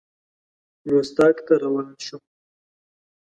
رُستاق ته روان شو.